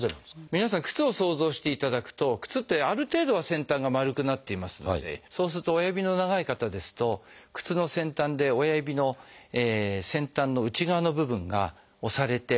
皆さん靴を想像していただくと靴ってある程度は先端が丸くなっていますのでそうすると親指の長い方ですと靴の先端で親指の先端の内側の部分が押されて。